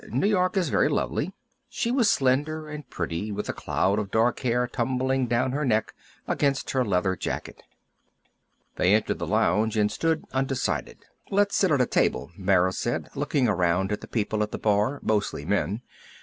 "New York is very lovely." She was slender and pretty, with a cloud of dark hair tumbling down her neck, against her leather jacket. They entered the lounge and stood undecided. "Let's sit at a table," Mara said, looking around at the people at the bar, mostly men.